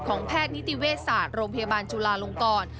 แพทย์นิติเวชศาสตร์โรงพยาบาลจุลาลงกร